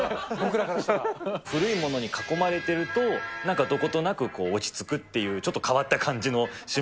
古いものに囲まれてると、なんかどことなくこう、落ち着くっていう、ちょっと変わった感じ